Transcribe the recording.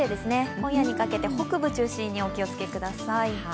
今夜にかけて北部中心にお気をつけください。